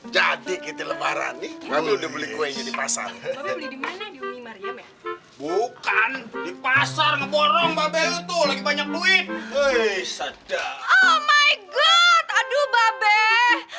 jadi kita lembaran nih udah beli kuenya di pasar bukan di pasar ngeborong mbak bel